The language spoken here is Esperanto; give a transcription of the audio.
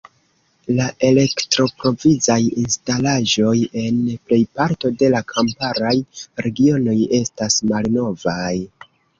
La elektroprovizaj instalaĵoj en plejparto de la kamparaj regionoj estas malnovaj.